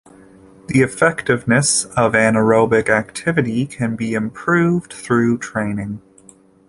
The effectiveness of anaerobic activity can be improved through training.